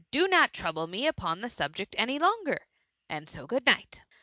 do not trouble me upon the subject any longer; and so good night.